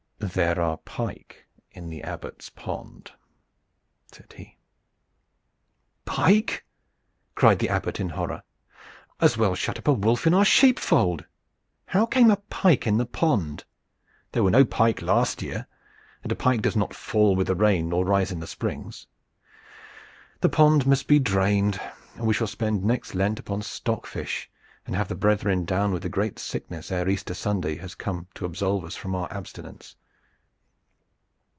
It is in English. "There are pike in the Abbot's pond," said he. "Pike!" cried the Abbot in horror. "As well shut up a wolf in our sheepfold. How came a pike in the pond? There were no pike last year, and a pike does not fall with the rain nor rise in the springs. The pond must be drained, or we shall spend next Lent upon stockfish, and have the brethren down with the great sickness ere Easter Sunday has come to absolve us from our abstinence."